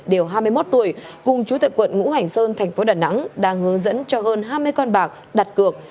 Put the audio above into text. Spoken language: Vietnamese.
đều hai mươi một tuổi cùng chú tại quận ngũ hành sơn tp đà nẵng đang hướng dẫn cho hơn hai mươi con bạc đặt cược